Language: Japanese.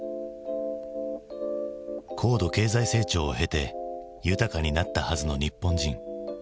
高度経済成長を経て豊かになったはずの日本人。